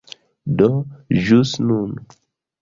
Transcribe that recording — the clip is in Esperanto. Do ĵus nun